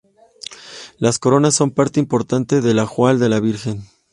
Las coronas son parte importante del ajuar de la Virgen.